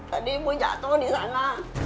tadi ibu jatuh di sana